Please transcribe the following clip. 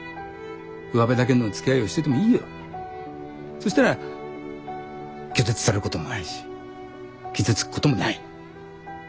そしたら拒絶されることもないし傷つくこともない。